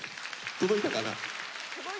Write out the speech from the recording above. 届いたかな？